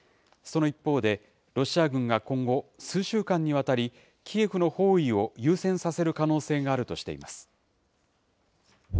その一方で、ロシア軍が今後、数週間にわたりキエフの包囲を優先させる可能性があるとしています。